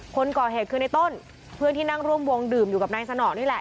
คนก่อเหตุคือในต้นเพื่อนที่นั่งร่วมวงดื่มอยู่กับนายสนอนี่แหละ